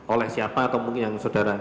oleh siapa atau mungkin yang saudara